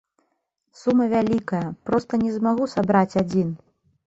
Сума вялікая, проста не змагу сабраць адзін!